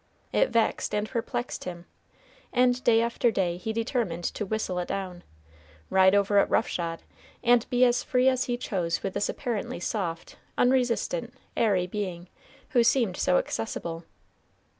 It vexed and perplexed him, and day after day he determined to whistle it down, ride over it rough shod, and be as free as he chose with this apparently soft, unresistant, airy being, who seemed so accessible.